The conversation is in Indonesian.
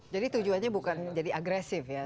jadi tujuannya bukan jadi agresif ya